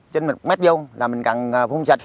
trên một m vô là mình cần phun xịt